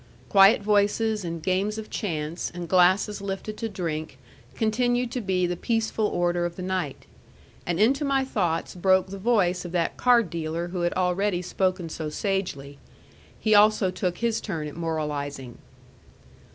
Quiet voices, and games of chance, and glasses lifted to drink, continued to be the peaceful order of the night. And into my thoughts broke the voice of that card dealer who had already spoken so sagely. He also took his turn at moralizing.